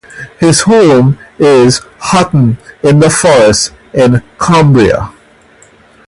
His home is Hutton-in-the-Forest in Cumbria.